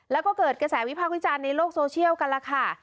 แล้วก็เกิดกระแสวิพากษ์วิจารณ์ในโลกโซเชียลกันแล้วค่ะ